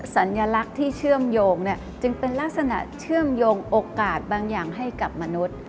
สัญลักษณ์ที่เชื่อมโยงจึงเป็นลักษณะเชื่อมโยงโอกาสบางอย่างให้กับมนุษย์